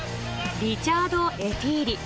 リチャード・エティーリ。